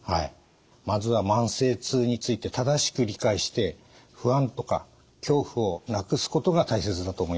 まずは慢性痛について正しく理解して不安とか恐怖をなくすことが大切だと思います。